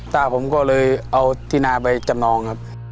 ตาผมก็เลยเอาที่นาไปจำนองครับ